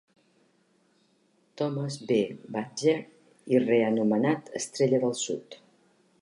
Thomas W. Badger i reanomenat "Estrella del Sur".